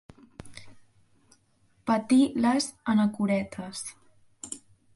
Patir les anacoretes.